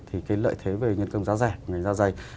thì cái lợi thế về nhân công giá rẻ của ngành da dày